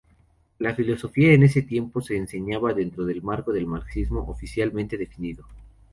La filosofía en ese tiempo se enseñaba dentro del marco de marxismo oficialmente definido.